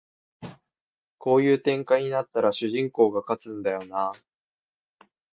こういう展開になったら主人公が勝つんだよなあ